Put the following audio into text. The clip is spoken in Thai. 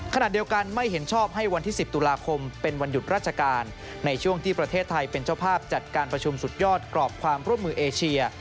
ขณะเดียวกันไม่เห็นชอบให้วันที่๑๐ตุลาคมเป็นวันหยุดราชการในช่วงที่ประเทศไทยเป็นเจ้าภาพจัดการประชุมสุดยอดกรอบความร่วมมือเอเชีย